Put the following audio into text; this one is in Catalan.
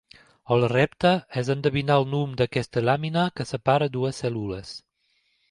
El repte és endevinar el nom d'aquesta làmina que separa dues cèl·lules.